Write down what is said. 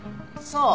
そう。